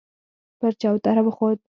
پر چوتره وخوت.